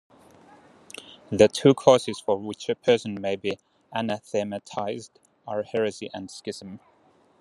The two causes for which a person may be anathematized are heresy and schism.